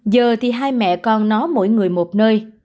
giờ thì hai mẹ con nói mỗi người một nơi